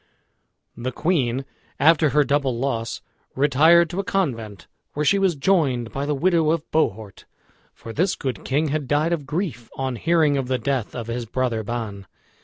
The queen, after her double loss, retired to a convent, where she was joined by the widow of Bohort, for this good king had died of grief on hearing of the death of his brother Ban.